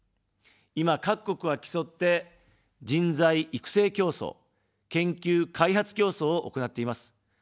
今、各国は競って人材育成競争・研究開発競争を行っています。